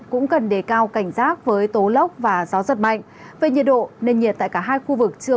cũng cần đề cao cảnh giác với tố lốc và gió giật mạnh về nhiệt độ nền nhiệt tại cả hai khu vực chưa